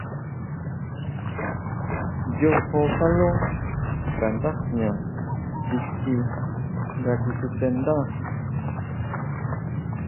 Yojo kalú ka ndá jña tsichi nga kisutendá.